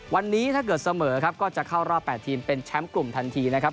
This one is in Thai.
วันนี้ถ้าเกิดเสมอครับก็จะเข้ารอบ๘ทีมเป็นแชมป์กลุ่มทันทีนะครับ